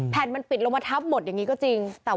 แผ่นมันปิดลงมาทับหมดอย่างนี้ก็จริง